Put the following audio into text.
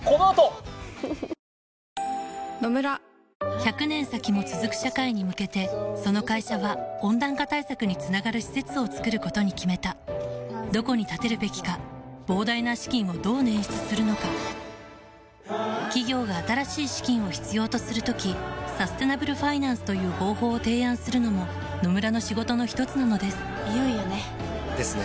１００年先も続く社会に向けてその会社は温暖化対策につながる施設を作ることに決めたどこに建てるべきか膨大な資金をどう捻出するのか企業が新しい資金を必要とする時サステナブルファイナンスという方法を提案するのも野村の仕事のひとつなのですいよいよね。